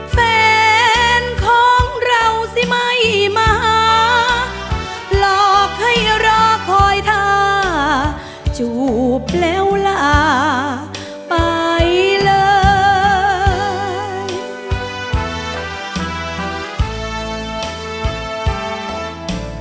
แฟนของเราสิไม่มาหาหลอกให้รักคอยท่าจูบแล้วลาไปเลย